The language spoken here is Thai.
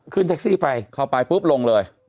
ขึ้นแท็กซี่ไปเข้าไปปุ๊บลงเลย